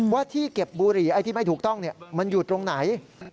ว่าที่เก็บบุหรี่ไอ้ที่ไม่ถูกต้องมันอยู่ตรงไหน